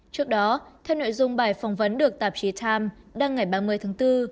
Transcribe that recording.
trước đó theo nội dung bài phỏng vấn được tạp chí times đăng ngày ba mươi tháng bốn